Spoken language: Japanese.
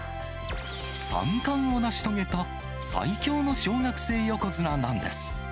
３冠を成し遂げた最強の小学生横綱なんです。